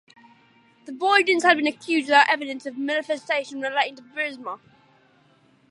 The Bidens had been accused without evidence of malfeasance relating to Burisma.